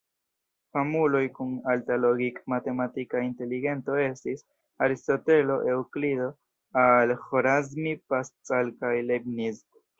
Famuloj kun alta logik-matematika inteligento estis: Aristotelo, Eŭklido, Al-Ĥorazmi, Pascal kaj Leibniz.